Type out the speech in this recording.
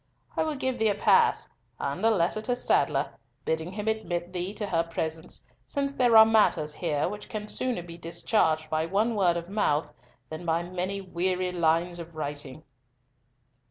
I will give thee a pass, and a letter to Sadler, bidding him admit thee to her presence, since there are matters here which can sooner be discharged by one word of mouth than by many weary lines of writing."